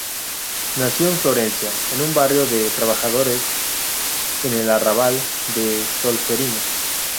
Nació en Florencia, en un barrio de trabajadores en el arrabal de Solferino.